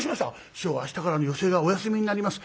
「師匠明日から寄席がお休みになります」。